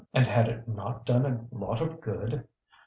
And had it not done a lot of good?